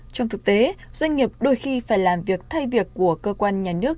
trong thực tế doanh nghiệp đôi khi phải làm việc thay việc của cơ quan nhà nước